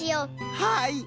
はい。